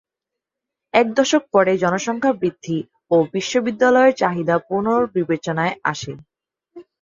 এক দশক পরে জনসংখ্যা বৃদ্ধি ও বিশ্ববিদ্যালয়ের চাহিদা পুনর্বিবেচনায় আসে।